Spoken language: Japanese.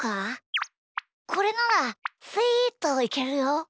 これならスイっといけるよ！